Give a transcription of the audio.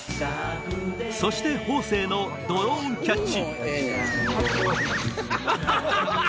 そして方正のドローンキャッチ